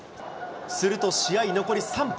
すると試合残り３分。